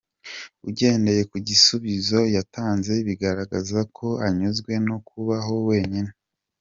Ugendeye ku gisubizo yatanze bigaragaza ko anyuzwe no kubaho wenyine.